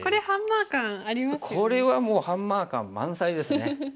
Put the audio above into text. これはもうハンマー感満載ですね。